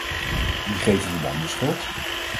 Wie geven we dan de schuld?